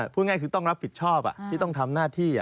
พูดง่ายคือต้องรับผิดชอบที่ต้องทำหน้าที่